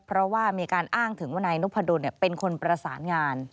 เพราะว่ามีการอ้างถึงว่านายนพดลเป็นคนประสานงาน